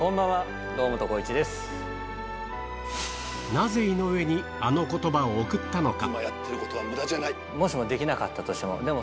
なぜ井上にあの言葉を贈ったのか